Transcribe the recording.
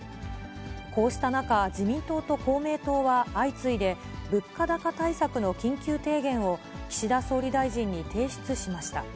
こうした中、自民党と公明党は相次いで物価高対策の緊急提言を、岸田総理大臣に提出しました。